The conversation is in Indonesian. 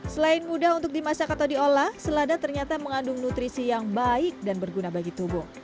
selain mudah untuk dimasak atau diolah selada ternyata mengandung nutrisi yang baik dan berguna bagi tubuh